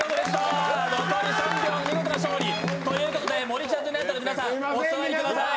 残り３秒、見事な勝利！ということで、もりちゃんずユナイテッドの皆さん、お座りください。